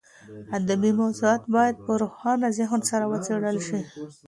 ادبي موضوعات باید په روښانه ذهن سره وڅېړل شي.